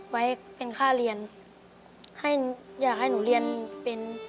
ไว้เป็นค่าเรียนให้อยากให้หนูเรียนเป็น